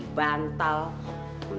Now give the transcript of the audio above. ganti sarung bantal